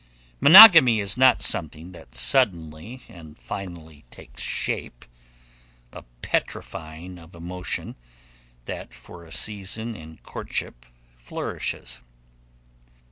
Monogamy is not something that suddenly and finally takes shape, a petrifying of emotion that for a season in courtship flourishes.